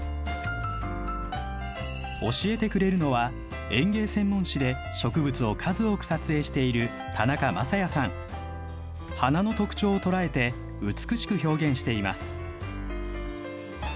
教えてくれるのは園芸専門誌で植物を数多く撮影している花の特徴を捉えて美しく表現しています。